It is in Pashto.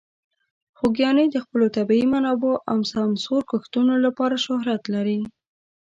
خوږیاڼي د خپلو طبیعي منابعو او سمسور کښتونو لپاره شهرت لري.